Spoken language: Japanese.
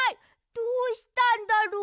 どうしたんだろう？